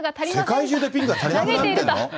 世界中のピンクが足りなくなってるの？